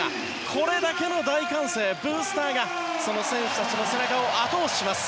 これだけの大歓声、ブースターがその選手たちの背中を後押しします。